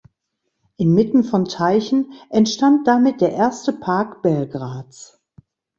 Inmitten von Teichen entstand damit der erste Park Belgrads.